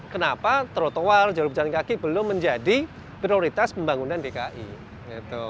kenapa trotoar jarum jalan kaki belum menjadi prioritas pembangunan dki itu